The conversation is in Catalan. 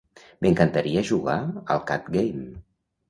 M'encantaria jugar al "Cat game".